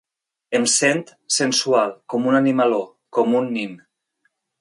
Em sent sensual com un animaló, com un nin.